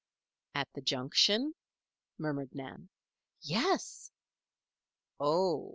"At the Junction?" murmured Nan. "Yes." "Oh!"